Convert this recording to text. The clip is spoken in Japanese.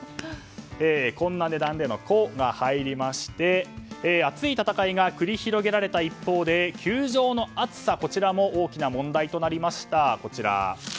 こんな値段で！の「コ」が入りまして熱い戦いが繰り広げられた一方で球場の暑さも大きな問題となりました。